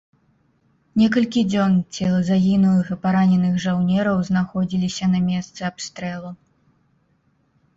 Некалькі дзён целы загінулых і параненых жаўнераў знаходзіліся на месцы абстрэлу.